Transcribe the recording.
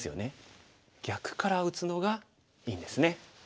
逆から打つのがいいんですね。